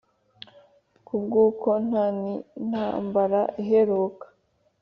kubwuko ntanintambara iheruka